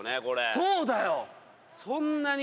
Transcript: そうだよ。